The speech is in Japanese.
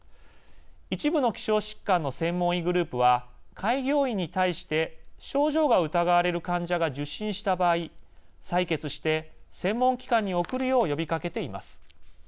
一部の希少疾患の専門医グループは開業医に対して症状が疑われる患者が受診した場合採血して専門機関に送るよう呼びかけています。